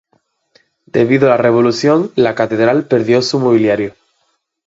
Debido a la Revolución, la catedral perdió su mobiliario.